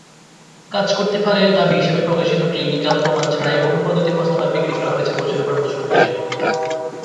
কাজ করতে পারে দাবি হিসাবে প্রকাশিত ক্লিনিকাল প্রমাণ ছাড়াই বহু পদ্ধতি প্রস্তাব বা বিক্রি করা হয়েছে বছরের পর বছর ধরে।